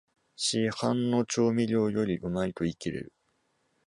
市販の調味料よりうまいと言いきれる